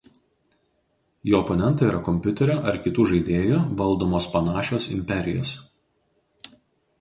Jo oponentai yra kompiuterio ar kitų žaidėjų valdomos panašios imperijos.